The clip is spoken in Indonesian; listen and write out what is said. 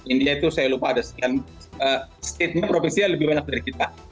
india itu saya lupa ada sekian statement provinsinya lebih banyak dari kita